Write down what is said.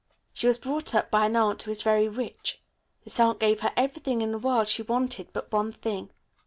She was brought up by an aunt who is very rich. This aunt gave her everything in the world she wanted but one thing.